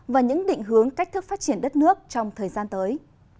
và những định hướng cách thức phát triển đất nước trong thời gian tới